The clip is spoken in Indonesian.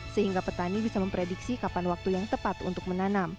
sehingga petani bisa memprediksi kapan waktu yang tepat untuk menanam